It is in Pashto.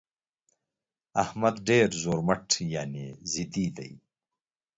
احمد ډېر زورمټ يانې ضدي دى.